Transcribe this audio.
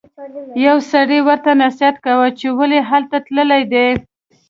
یو سړي ورته نصیحت کاوه چې ولې هلته تللی دی.